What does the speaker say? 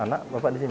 anak bapak di sini